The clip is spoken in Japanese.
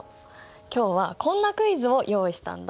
今日はこんなクイズを用意したんだ。